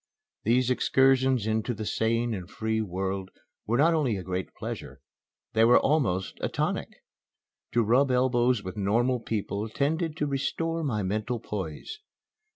These excursions into the sane and free world were not only a great pleasure, they were almost a tonic. To rub elbows with normal people tended to restore my mental poise.